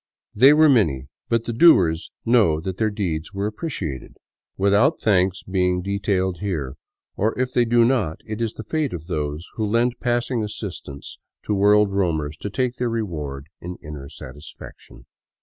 They were many; but the doers know that their deeds were appreciated, without thanks being detailed here ; or if they do not, it is the fate of those who lend passing assistance to world roamers to take their reward in inner satis faction.